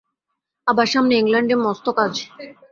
আবার সামনে ইংলণ্ডে মস্ত কাজ।